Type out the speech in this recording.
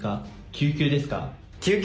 救急です。